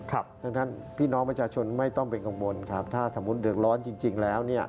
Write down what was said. เพราะฉะนั้นพี่น้องประชาชนไม่ต้องเป็นกังวลครับถ้าสมมุติเดือดร้อนจริงแล้ว